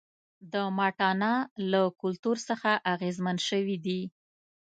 د ماڼانا له کلتور څخه اغېزمن شوي دي.